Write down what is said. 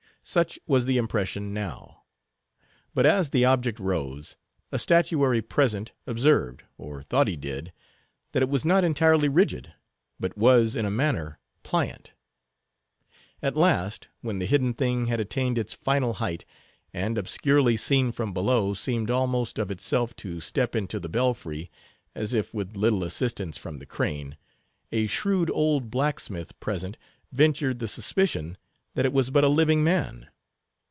Such was the impression now. But, as the object rose, a statuary present observed, or thought he did, that it was not entirely rigid, but was, in a manner, pliant. At last, when the hidden thing had attained its final height, and, obscurely seen from below, seemed almost of itself to step into the belfry, as if with little assistance from the crane, a shrewd old blacksmith present ventured the suspicion that it was but a living man.